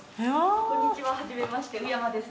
こんにちは初めまして宇山です。